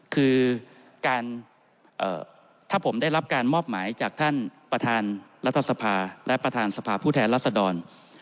คือการถ้าผมได้รับการมอบหมายจากท่านประธานรัฐสภาและประธานสภาพผู้แทนรัศดร